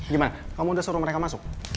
gimana kamu udah suruh mereka masuk